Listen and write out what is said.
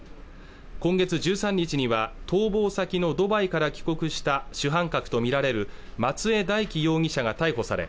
今月１３日には逃亡先のドバイから帰国した主犯格とみられる松江大樹容疑者が逮捕され